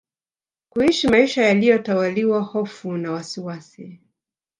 kuishi maisha yaliyo tawaliwa hofu na wasiwasi